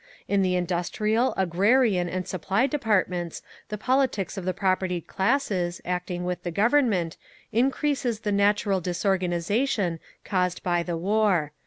In the industrial, agrarian and supply departments the politics of the propertied classes, acting with the Government, increases the natural disorganisation caused by the war.